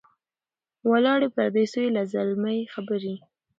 ولاړې پردۍ سوې زلمۍ خبري